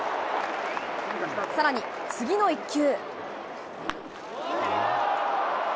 さらに、次の一球。